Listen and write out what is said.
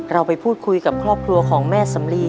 เราไปพูดคุยกับครอบครัวของแม่สำลี